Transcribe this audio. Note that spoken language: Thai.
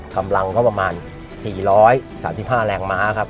กำลังก็ประมาณ๔๓๕แรงม้าครับ